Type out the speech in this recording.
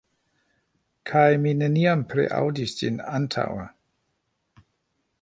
Kaj mi neniam priaŭdis ĝin antaŭe?"